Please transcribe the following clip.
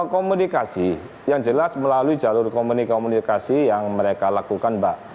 komunikasi yang jelas melalui jalur komunikasi komunikasi yang mereka lakukan mbak